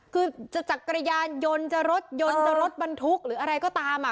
คือจะจักรยานยนต์จะรถยนต์จะรถบรรทุกหรืออะไรก็ตามอ่ะ